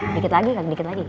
dikit lagi kaki dikit lagi